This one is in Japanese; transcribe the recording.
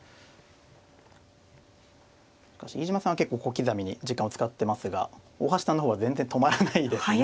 飯島さんは結構小刻みに時間を使ってますが大橋さんの方は全然止まらないですね。